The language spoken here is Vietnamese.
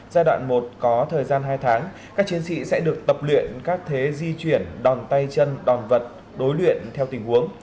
giai đoạn một có thời gian hai tháng các chiến sĩ sẽ được tập luyện các thế di chuyển đòn tay chân đòn vật đối luyện theo tình huống